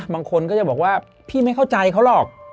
บางคนก็จะบอกว่าพี่ไม่เข้าใจเขาหรอก